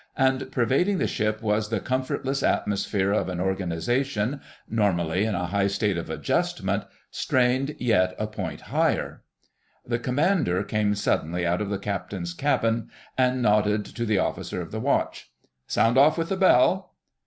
And pervading the ship was the comfortless atmosphere of an organisation, normally in a high state of adjustment, strained yet a point higher. The Commander came suddenly out of the Captain's cabin and nodded to the Officer of the Watch. "Sound off with the bell."